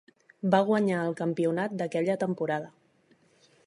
Va guanyar el campionat aquella temporada.